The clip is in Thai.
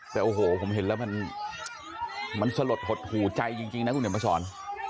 แต่โอ้โหผมเห็นแล้วมันสลดหดหูใจจริงนะคุณเดี๋ยวมาสอน